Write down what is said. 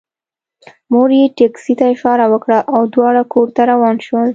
مور یې ټکسي ته اشاره وکړه او دواړه کور ته روان شول